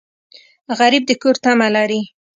غریب د کور تمه لري